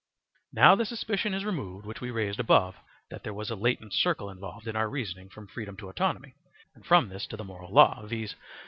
Now the suspicion is removed which we raised above, that there was a latent circle involved in our reasoning from freedom to autonomy, and from this to the moral law, viz.